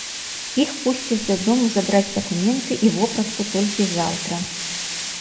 Іх пусцяць дадому забраць дакументы і вопратку толькі заўтра.